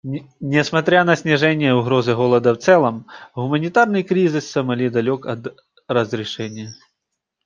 Несмотря на снижение угрозы голода в целом, гуманитарный кризис в Сомали далек от разрешения.